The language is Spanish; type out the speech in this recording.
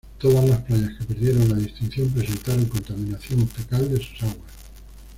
Todas las playas que perdieron la distinción presentaron contaminación fecal de sus aguas.